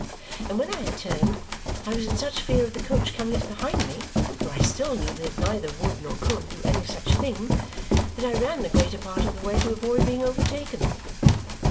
And when I had turned, I was in such fear of the coach coming up behind me (though I still knew that it neither would, nor could, do any such thing) that I ran the greater part of the way to avoid being overtaken.